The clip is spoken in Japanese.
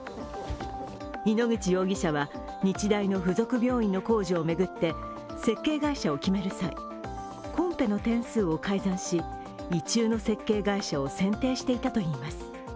井ノ口容疑者は日大の附属病院の工事を巡って設計会社を決める際コンペの点数を改ざんし意中の設計会社を選定していたといいます。